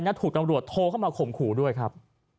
และถูกตำรวจโทรเข้ามาข่มขู่ด้วยครับ